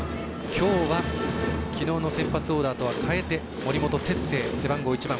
きょうは、きのうの先発オーダーとは変えて森本哲星、背番号１番。